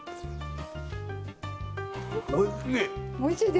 おいしい！